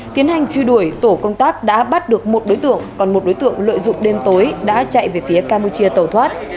tiến hành truy đuổi tổ công tác đã bắt được một đối tượng còn một đối tượng lợi dụng đêm tối đã chạy về phía campuchia tàu thoát